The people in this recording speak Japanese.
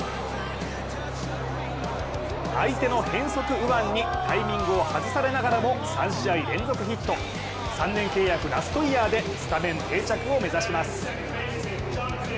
相手の変則右腕にタイミングを外されながらも３試合連続ヒット３年契約ラストイヤーでスタメン定着を目指します。